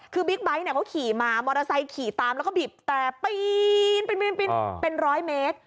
คือบิ๊กไบท์เนี่ยเขาขี่มามอเตอร์ไซค์ขี่ตามแล้วก็บีบแตรปีนเป็นร้อยเมตร